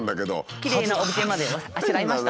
きれいなオブジェまであしらいました。